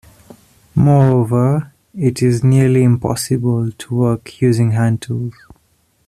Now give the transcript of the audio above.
Moreover, it is nearly impossible to work using hand tools.